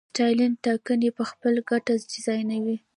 ستالین ټاکنې په خپله ګټه ډیزاینولې.